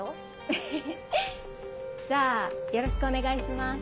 エヘヘじゃあよろしくお願いします。